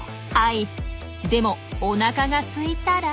でもおなかがすいたら。